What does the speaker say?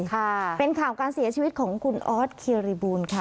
ค่ะเป็นข่าวการเสียชีวิตของคุณออสเคริบูลค่ะ